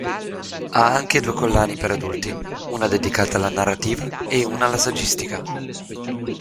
Ha anche due collane per adulti: una dedicata alla narrativa e una alla saggistica.